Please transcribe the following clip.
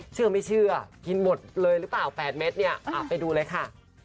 เชื่อไม่เชื่อกินหมดเลยหรือเปล่า๘เม็ดเนี่ยไปดูเลยค่ะ